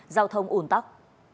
giao thông ổn tắc